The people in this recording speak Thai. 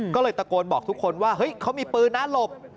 ก็เลยตะโกนบอกทุกคนว่าเฮ้ยเขามีปืนนะหลบ